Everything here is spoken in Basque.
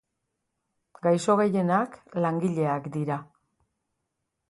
Gaixo gehienak langileak dira.